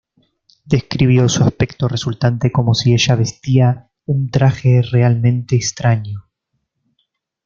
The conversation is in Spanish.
Describió su aspecto resultante como si ella vestía un "traje realmente extraño".